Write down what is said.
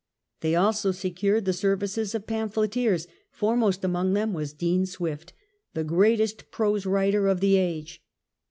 They also secured the services of pamphleteers, foremost among whom was Dean Swift, the greatest prose writer of the age.